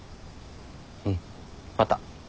うん。また。